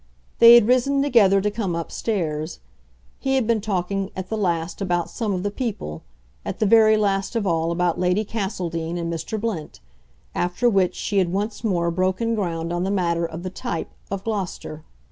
They had risen together to come upstairs; he had been talking at the last about some of the people, at the very last of all about Lady Castledean and Mr. Blint; after which she had once more broken ground on the matter of the "type" of Gloucester.